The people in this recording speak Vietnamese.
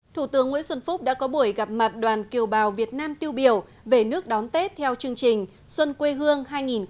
thủ tướng nguyễn xuân phúc đã có buổi gặp mặt đoàn kiều bào việt nam tiêu biểu về nước đón tết theo chương trình xuân quê hương hai nghìn hai mươi